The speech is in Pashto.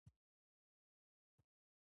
تش کوهي ته په اوبو پسي لوېدلی.